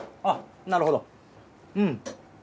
あっなるほどうん。